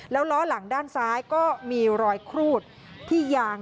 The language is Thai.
แล้วล้อหลังด้านซ้ายก็มีรอยครูดที่ยาง